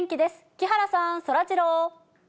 木原さん、そらジロー。